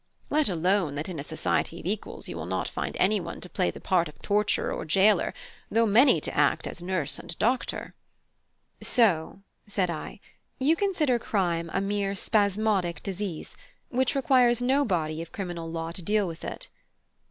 Let alone that in a society of equals you will not find any one to play the part of torturer or jailer, though many to act as nurse or doctor." "So," said I, "you consider crime a mere spasmodic disease, which requires no body of criminal law to deal with it?"